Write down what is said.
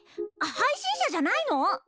配信者じゃないの？